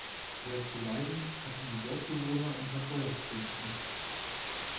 Sehr zu leiden hatten die Dorfbewohner unter Feuersbrünsten.